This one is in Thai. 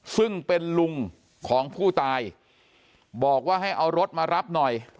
ซึ่งเป็นลุงของผู้ตายบอกว่าให้เอารถมารับหน่อย